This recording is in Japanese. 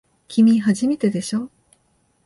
きみ、初めてでしょ。